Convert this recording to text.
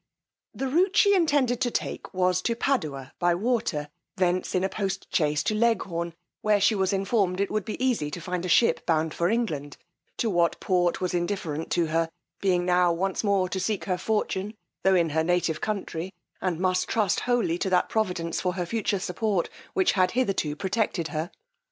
The rout she intended to take was to Padua by water, thence in a post chaise to Leghorn, where she was informed, it would be easy to find a ship bound for England; to what port was indifferent to her, being now once more to seek her fortune, tho' in her native country, and must trust wholly to that providence for her future support, which had hitherto protected her.